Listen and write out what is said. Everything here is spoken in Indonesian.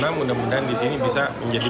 mudah mudahan di sini bisa menjadi empat puluh